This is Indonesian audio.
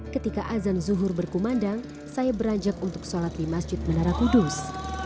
ketika azan zuhur berkumandang saya beranjak untuk sholat di masjid menara kudus